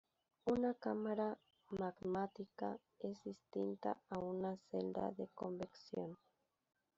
Una cámara magmática es distinta a una celda de convección.